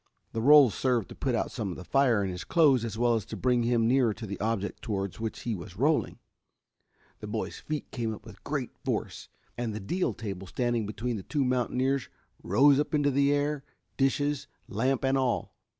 The rolls served to put out some of the fire in his clothes as well as to bring him nearer to the object towards which he was rolling. The boy's feet came up with great force, and the deal table standing between the two mountaineers rose up into the air, dishes, lamp and all.